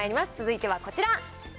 続いてはこちら。